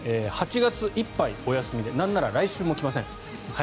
８月いっぱいお休みでなんなら来週も来ません。